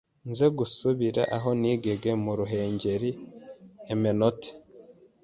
nze gusubire eho nigege mu ruhengeri emenote